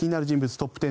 トップ１０